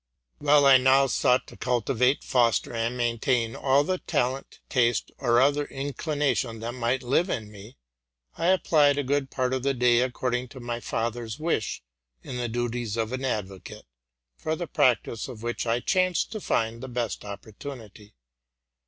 While I was endeavoring to cultivate, foster, and maintain all the talent, taste, or other inclination that might live within me, I applied a good part of the day, according to my fa ther's wish, in the duties of an advocate, for the practice of which I chanced to find the best opportunity.